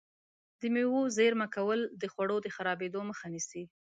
د مېوو زېرمه کول د خوړو د خرابېدو مخه نیسي.